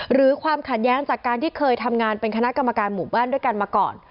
ความขัดแย้งจากการที่เคยทำงานเป็นคณะกรรมการหมู่บ้านด้วยกันมาก่อน